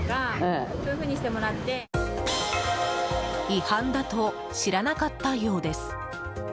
違反だと知らなかったようです。